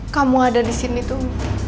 kamu ada disini tuh